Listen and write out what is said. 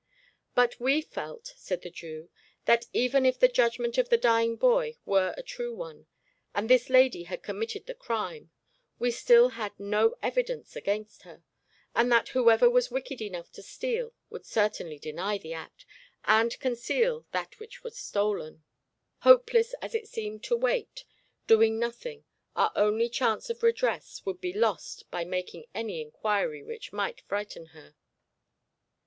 'But we felt,' said the Jew, 'that even if the judgment of the dying boy were a true one, and this lady had committed the crime, we still had no evidence against her, and that whoever was wicked enough to steal would certainly deny the act, and conceal that which was stolen. Hopeless as it seemed to wait, doing nothing, our only chance of redress would be lost by making any inquiry which might frighten her.